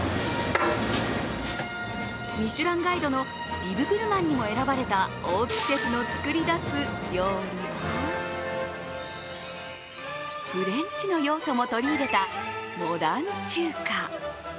「ミシュランガイド」のビブグルマンにも選ばれた大津シェフの作り出す料理はフレンチの要素も取り入れたモダン中華。